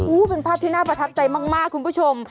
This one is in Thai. โอ้โหเป็นภาพที่น่าประทับใจมากคุณผู้ชม